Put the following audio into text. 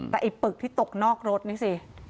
แต่ไอ้ปึกที่ตกนอกรถนี่สิ